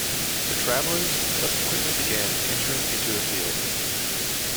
The travellers subsequently began entering into a field.